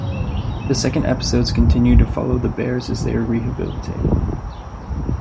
The second episodes continued to follow the bears as they were rehabilitated.